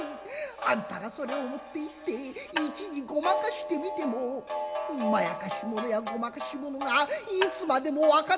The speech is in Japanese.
あんたがそれを持っていって一時ごまかしてみてもまやかし物やごまかし物がいつまでも分からずにおるわけがない。